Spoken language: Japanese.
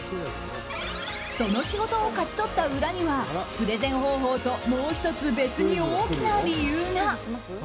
その仕事を勝ち取った裏にはプレゼン方法ともう１つ別に大きな理由が。